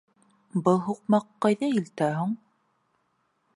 — Был һуҡмаҡ ҡайҙа илтә һуң?